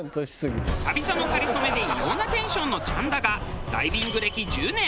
久々の『かりそめ』で異様なテンションのチャンだがダイビング歴１０年。